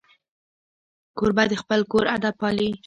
کوربه د خپل کور ادب پالي.